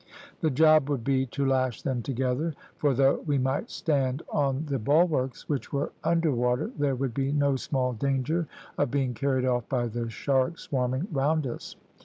The job would be to lash them together; for though we might stand on the bulwarks which were under water, there would be no small danger of being carried off by the sharks swarming round us.